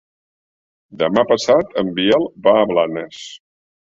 Demà passat en Biel va a Blanes.